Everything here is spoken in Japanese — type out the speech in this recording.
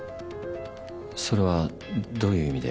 それはどういう意味で？